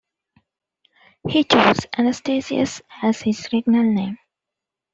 He chose "Anastasius" as his regnal name.